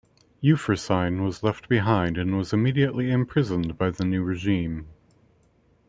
Euphrosyne was left behind and was immediately imprisoned by the new regime.